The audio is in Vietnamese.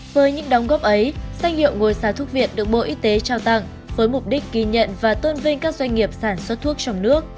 với những đóng góp ấy danh hiệu ngôi xá thuốc việt được bộ y tế trao tặng với mục đích ghi nhận và tôn vinh các doanh nghiệp sản xuất thuốc trong nước